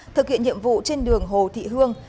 thực hiện nhiệm vụ trên đường hồ thị hương